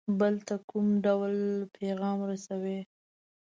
بل ته کوم ډول پیغام رسوي.